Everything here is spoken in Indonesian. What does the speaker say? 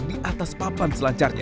di atas papan selancarnya